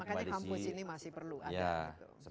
makanya kampus ini masih perlu ada